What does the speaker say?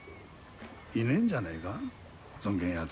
いねえんじゃねえかそんげんやつ。